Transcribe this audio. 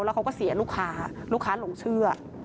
แล้วเขาก็เสียลูกค้าลูกค้าหลงเชื่อ